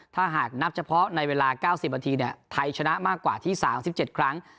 ถ้าหากนับเฉพาะในเวลา๙๐นาทีไทยชนะมากกว่าที่๓๗ครั้ง